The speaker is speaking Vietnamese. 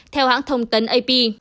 theo hãng thông tấn ap